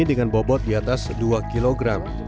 dengan bobot di atas dua kg